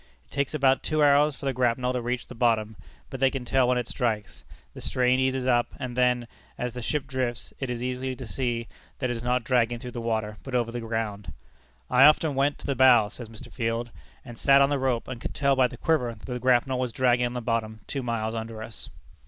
It takes about two hours for the grapnel to reach the bottom, but they can tell when it strikes. The strain eases up, and then, as the ship drifts, it is easy to see that it is not dragging through the water, but over the ground. "I often went to the bow," says Mr. Field, "and sat on the rope, and could tell by the quiver that the grapnel was dragging on the bottom two miles under us."